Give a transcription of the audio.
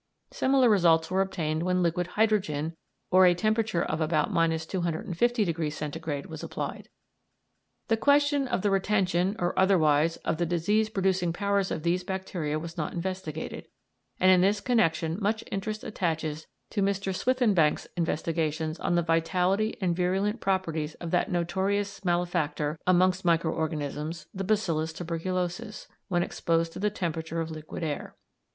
Similar results were obtained when liquid hydrogen, or a temperature of about 250° C., was applied. The question of the retention or otherwise of the disease producing powers of these bacteria was not investigated, and in this connection much interest attaches to Mr. Swithinbank's investigations on the vitality and virulent properties of that notorious malefactor amongst micro organisms, the bacillus tuberculosis, when exposed to the temperature of liquid air.